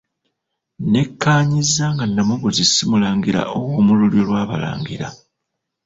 Nnekkaanyizza nga Nnamuguzi si mulangira ow'omu lulyo lw'Abalangira.